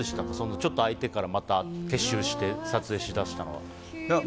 ちょっと空いてからまた撤収して撮影し出したのは。